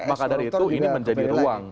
makadari itu ini menjadi ruang